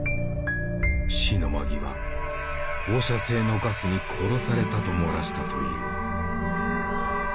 死の間際「放射性のガスに殺された」と漏らしたという。